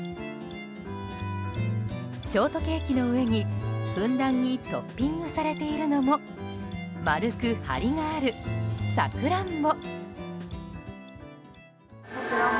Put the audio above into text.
ショートケーキの上にふんだんにトッピングされているのも丸くハリがあるサクランボ。